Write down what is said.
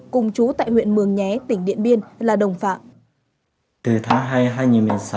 cùng chú tại huyện mường nhé tỉnh điện biên là đồng phạm